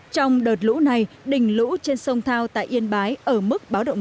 trong đợt lũ này đỉnh lũ trên sông thao tại yên bái ở mức báo đảm